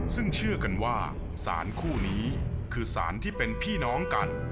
ซึ่งเชื่อกันว่าสารคู่นี้คือสารที่เป็นพี่น้องกัน